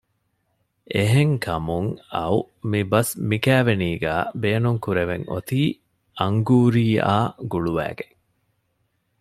އެހެން ކަމުން އައު މިބަސް މިކައިވެނީގައި ބޭނުންކުރެވެން އޮތީ އަންގޫރީއާ ގުޅުވައިގެން